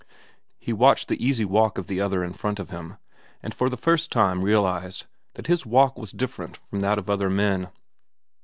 He watched the easy walk of the other in front of him, and for the first time realized that his walk was different from that of other men.